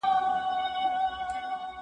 زه به سبا د نوي لغتونو يادوم..